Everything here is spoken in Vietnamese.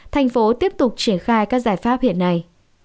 thành phố tiếp tục triển khai các giải pháp hiện nay